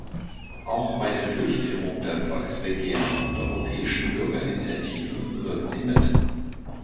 Auch bei der Durchführung der Volksbegehren und Europäischen Bürgerinitiativen wirkt sie mit.